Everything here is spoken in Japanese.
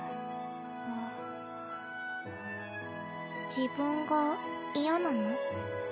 自分が嫌なの？